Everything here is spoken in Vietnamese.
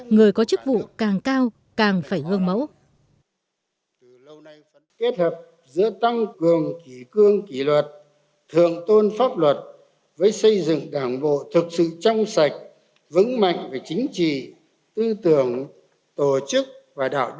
người có chức vụ càng cao